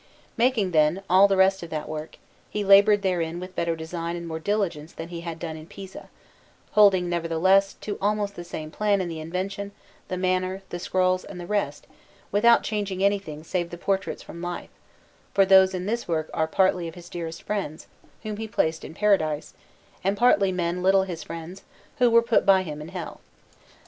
Making, then, all the rest of that work, he laboured therein with better design and more diligence than he had done in Pisa, holding, nevertheless, to almost the same plan in the invention, the manner, the scrolls, and the rest, without changing anything save the portraits from life, for those in this work were partly of his dearest friends, whom he placed in Paradise, and partly of men little his friends, who were put by him in Hell.